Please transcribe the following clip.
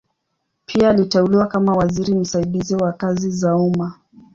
Pia aliteuliwa kama waziri msaidizi wa kazi za umma.